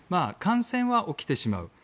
感染は起きてしまう。